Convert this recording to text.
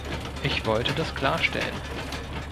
Ich wollte das klar stellen.